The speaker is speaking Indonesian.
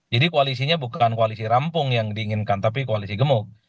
jadi koalisinya bukan koalisi rampung yang diinginkan tapi koalisi gemuk